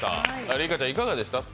六花ちゃんいかがでした？